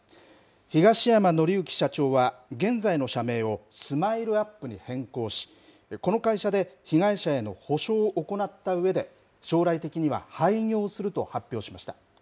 東山紀之社長は、現在の社名をＳＭＩＬＥーＵＰ．に変更し、この会社で被害者への補償を行ったうえで、将来的には廃業すると発表しました。